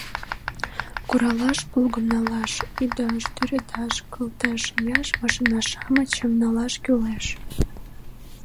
Куралаш плугым налаш, ӱдаш, тӱредаш, кылта шияш машина-шамычым налаш кӱлеш.